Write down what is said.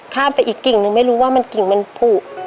ข้ามไปอีกกิ่งนึงไม่รู้ว่ามันกิ่งมันผูก